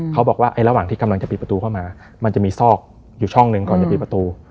เขาบอกว่าระหว่างที่กำลังจะปิดประตูเข้ามามันจะมีซอกอยู่ช่องหนึ่งก่อนจะปิดประตู